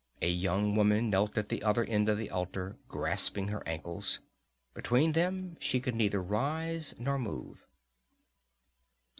A young woman knelt at the other end of the altar, grasping her ankles. Between them she could neither rise nor move.